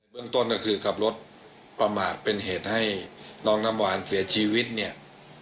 เรื่องต้นก็คือขับรถประมาทเป็นเหตุให้น้องน้ำหวานเสียชีวิตเนี่ย